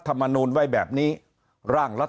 เพราะสุดท้ายก็นำไปสู่การยุบสภา